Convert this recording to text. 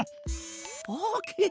オッケー！